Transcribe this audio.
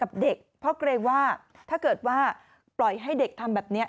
เด็กเพราะเกรงว่าถ้าเกิดว่าปล่อยให้เด็กทำแบบนี้